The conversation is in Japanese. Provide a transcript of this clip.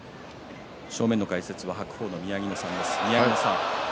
正面の解説は白鵬の宮城野さんです。